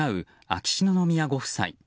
秋篠宮ご夫妻。